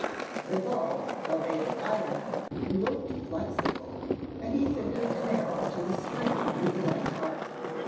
The bow, though made of iron, looked flexible, and he fitted an arrow to the string with a light heart.